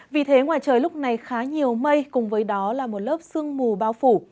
vì thế ngoài trời lúc này khá nhiều mây cùng với đó là một lớp sương mù bao phủ